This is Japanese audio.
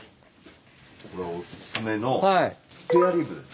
これお薦めのスペアリブです。